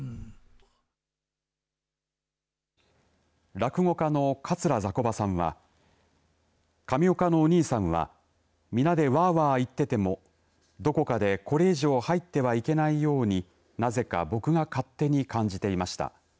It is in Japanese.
落語家の桂ざこばさんは上岡のお兄さんは皆でワーワー言っててもどこかでこれ以上入ってはいけないようになぜか僕が勝手に感じていました。